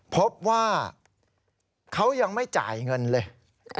พบว่าเขายังไม่จ่ายเงินเลย